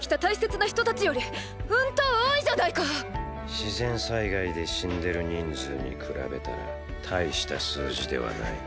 自然災害で死んでる人数に比べたら大した数字ではない。